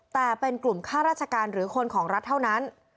แต่เป็นกลุ่มค่าราชการหรือคนของรัฐเท่านั้น